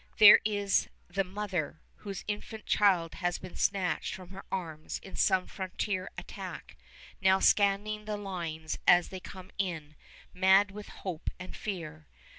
There is the mother, whose infant child has been snatched from her arms in some frontier attack, now scanning the lines as they come in, mad with hope and fear.